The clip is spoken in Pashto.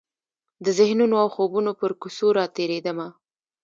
د ذهنونو او خوبونو پر کوڅو راتیریدمه